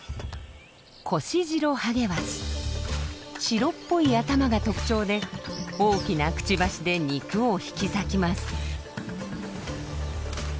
白っぽい頭が特徴で大きなくちばしで肉を引き裂きます。